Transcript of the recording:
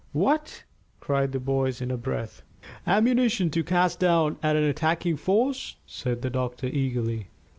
"What!" cried the boys, in a breath. "Ammunition to cast down at an attacking force?" said the doctor eagerly.